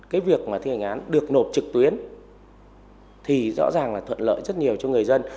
cái việc mà thi hành án được nộp trực tuyến thì rõ ràng là thuận lợi rất nhiều cho người dân